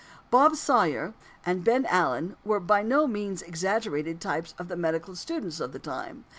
Bob Sawyer and Ben Allen were by no means exaggerated types of the medical students of the time.